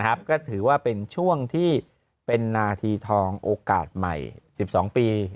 ครับก็ถือว่าเป็นช่วงที่เป็นนาธีทองโอกาสใหม่สิบสองปี